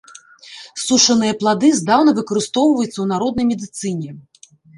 Сушаныя плады здаўна выкарыстоўваюцца ў народнай медыцыне.